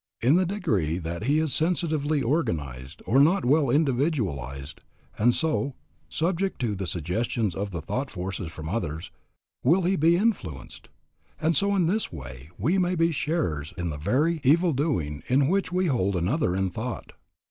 In the degree that he is sensitively organized, or not well individualized, and so, subject to the suggestions of the thought forces from others, will he be influenced; and so in this way we may be sharers in the very evil doing in which we hold another in thought.